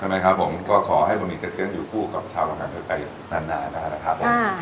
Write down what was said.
ใช่ไหมครับผมก็ขอให้บะหมี่เจ็กเซียงอยู่คู่กับชาวกำแพงเพชรไปนานนานนะครับผมอ่า